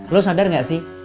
lu sadar gak sih